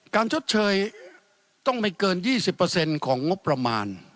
ชดเชยต้องไม่เกิน๒๐ของงบประมาณ